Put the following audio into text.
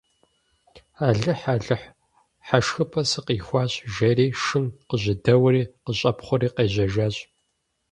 – Алыхь-Алыхь, хьэшхыпӀэ сыкъихуащ, – жери шым къыжьэдэуэри къыщӀэпхъуэри къежьэжащ.